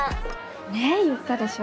ねぇ言ったでしょ？